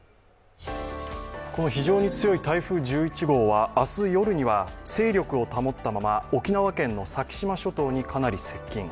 この非常に強い台風１１号は明日夜には勢力を保ったまま沖縄県の先島諸島にかなり接近。